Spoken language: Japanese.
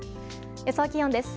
予想気温です。